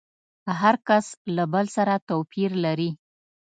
هر کس له بل سره توپير لري.